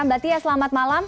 mbak tia selamat malam